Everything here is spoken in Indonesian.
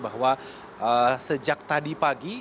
bahwa sejak tadi pagi